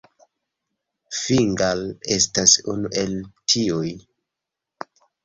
Fingal estas unu el tiuj.